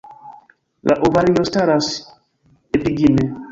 La ovario staras epigine.